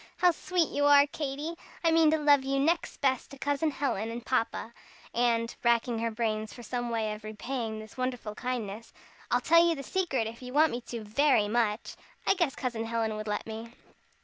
"How sweet you are, Katy! I mean to love you next best to Cousin Helen and Papa! And" racking her brains for some way of repaying this wonderful kindness "I'll tell you the secret, if you want me to very much. I guess Cousin Helen would let me."